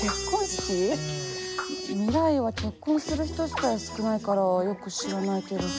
未来は結婚する人自体少ないからよく知らないけど。